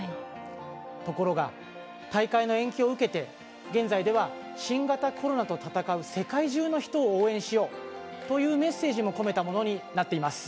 ところが大会の延期を受けて現在では、新型コロナと闘う世界中の人を応援しよう！というメッセージも込めたものになっています。